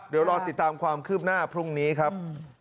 เดี๋ยวรอติดตามความคืบหน้าพรุ่งนี้ครับ